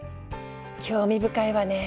興味深いわね。